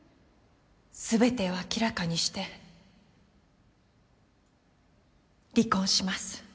全てを明らかにして離婚します